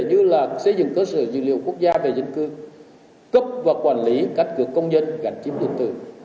yêu là xây dựng cơ sở dự liệu quốc gia về dân cư cấp và quản lý các cơ công dân gạnh chiếm dân tử